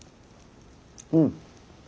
うん。